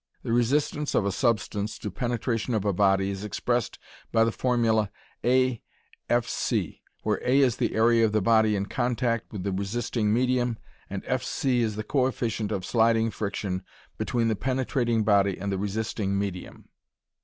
The resistance of a substance to penetration of a body is expressed by the formula A f_c where A is the area of the body in contact with the resisting medium and f_c is the coefficient of sliding friction between the penetrating body and the resisting medium.